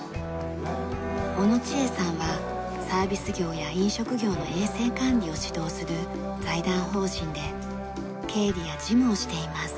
小野千絵さんはサービス業や飲食業の衛生管理を指導する財団法人で経理や事務をしています。